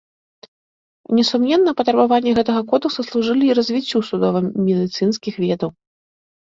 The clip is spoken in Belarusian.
Несумненна, патрабаванні гэтага кодэкса служылі і развіццю судова-медыцынскіх ведаў.